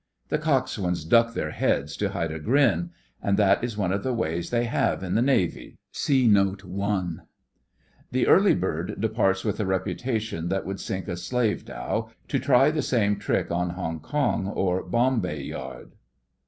The coxswains duck their heads to hide a grin. And that is one of the ways they have in the Navy, (see Note I.) The Early Bird departs with a reputation that would sink a slave dhow, to try the same trick on Hong Kong or Bombay Yard.